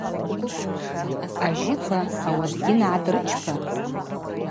Ажьиква ауадгьына гӏадрычпа.